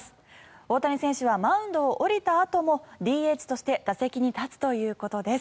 大谷選手はマウンドを降りたあともＤＨとして打席に立つということです。